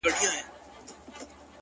سونډان مي وسوځېدل